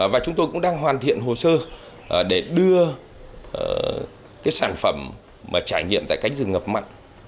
và chúng tôi cũng đang hoàn thiện hồ sơ để đưa cái sản phẩm trải nghiệm tại cánh rừng ngập mặn